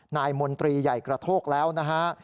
มนตรีใหญ่กระโทกแล้วนะฮะ